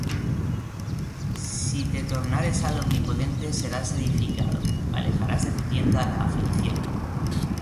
Si te tornares al Omnipotente, serás edificado; Alejarás de tu tienda la aflicción;